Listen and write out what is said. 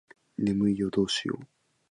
眠いよどうしよう